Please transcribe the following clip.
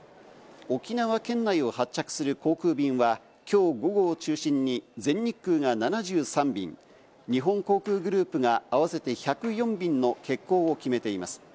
沖縄県内を発着する航空便は、きょう午後を中心に全日空が７３便、日本航空グループが合わせて１０４便の欠航を決めています。